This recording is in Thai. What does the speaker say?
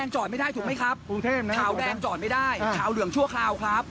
จอดไม่ได้ถูกไหมครับขาวแดงจอดไม่ได้ขาวเหลืองชั่วคราวครับ